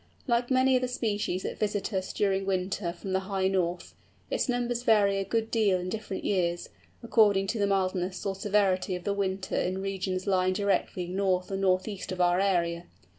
Like many other species that visit us during winter from the high north, its numbers vary a good deal in different years, according to the mildness or severity of the winter in regions lying directly north or north east of our area.